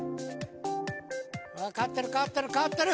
変わってる変わってる変わってる！